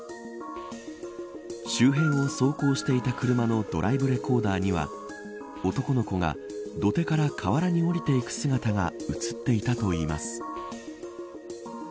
周辺を走行していた車のドライブレコーダーには男の子が土手から河原に降りていく姿が映っていたといいます。